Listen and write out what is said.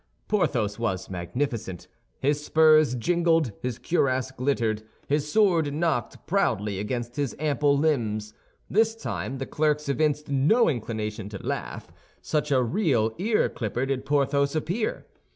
Porthos was magnificent; his spurs jingled, his cuirass glittered, his sword knocked proudly against his ample limbs. This time the clerks evinced no inclination to laugh, such a real ear clipper did Porthos appear.